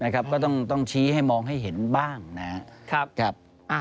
ก็ต้องชี้ให้มองให้เห็นบ้างนะครับ